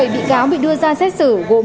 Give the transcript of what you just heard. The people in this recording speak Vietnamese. bảy bị cáo bị đưa ra xét xử gồm